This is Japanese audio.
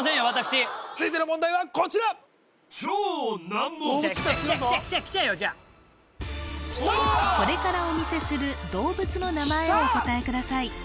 私続いての問題はこちら来ちゃうじゃあこれからお見せする動物の名前をお答えください